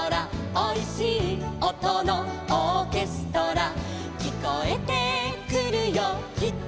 「おいしいおとのオーケストラ」「きこえてくるよキッチンから」